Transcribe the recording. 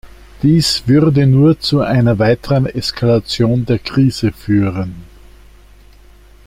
Dies würde nur zu einer weiteren Eskalation der Krise führen.